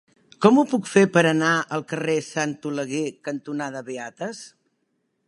Com ho puc fer per anar al carrer Sant Oleguer cantonada Beates?